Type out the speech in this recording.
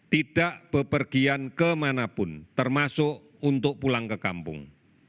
tidak bepergian kemanapun termasuk untuk pulang ke kampung